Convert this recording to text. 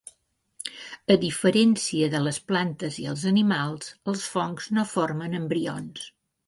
A diferència de les plantes i els animals, els fongs no formen embrions.